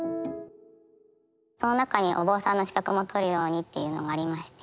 その中にお坊さんの資格も取るようにっていうのがありまして。